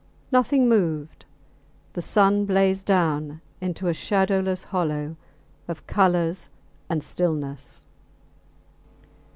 Nothing moved. The sun blazed down into a shadowless hollow of colours and stillness.